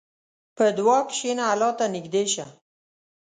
په دعا کښېنه، الله ته نږدې شه.